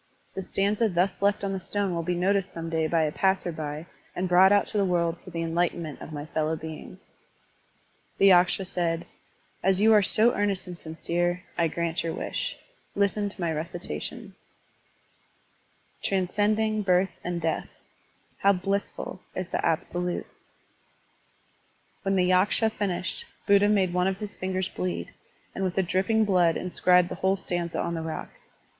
The stanza thus left on the stone will be noticed some day by a passer by and brought out to the world for the enlightenment of my fellow beings. The Yaksha said: As you are so earnest and sincere, I grant your wish. Listen to my reci tation: "Transcending birth and death, How blissful is the Absolute Tl When the Yaksha finished, Buddha made one of his fingers bleed, and with the dripping blood inscribed the whole stanza on the rock.